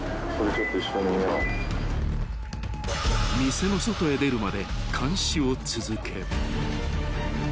［店の外へ出るまで監視を続け］